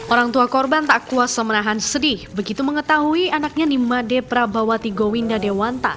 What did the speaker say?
orang tua korban tak kuasa menahan sedih begitu mengetahui anaknya nimade prabawati gowinda dewanta